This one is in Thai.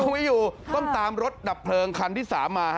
ไม่อยู่ต้องตามรถดับเพลิงคันที่๓มา